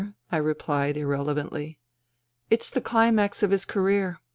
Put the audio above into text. I replied irrelevantly. "It's the climax of his career.